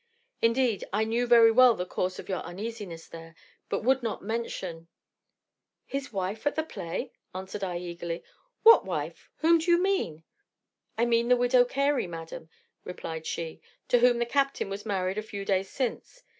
Indeed, I knew very well the cause of your uneasiness there; but would not mention ' "His wife at the play? answered I eagerly. What wife? whom do you mean? "'I mean the widow Carey, madam,' replied she, 'to whom the captain was married a few days since.